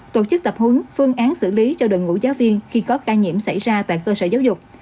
tổ chức tập hướng phương án xử lý cho đội ngũ giáo viên khi có ca nhiễm xảy ra tại cơ sở giáo dục